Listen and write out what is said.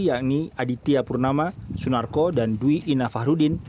yakni aditya purnama sunarko dan dwi ina fahrudin